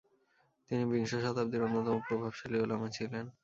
তিনি বিংশ শতাব্দীর অন্যতম প্রভাবশালী ওলামা ছিলেন।